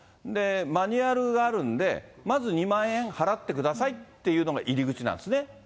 マニュアルがあるんで、まず２万円払ってくださいっていうのが入り口なんですね。